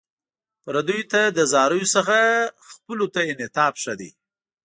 پردیو ته له زاریو څخه خپلو ته انعطاف ښه دی.